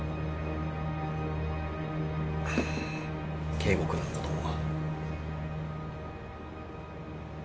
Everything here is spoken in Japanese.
圭吾君のことも。